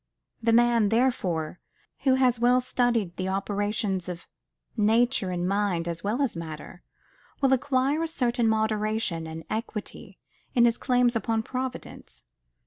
The man, therefore, who has well studied the operations of nature in mind as well as matter, will acquire a certain moderation and equity in his claims upon Providence.